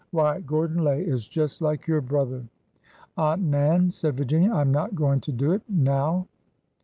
''Why, Gordon Lay is just like your brother!'' "Aunt Nan," said Virginia, "I'm not going to do it! Now!"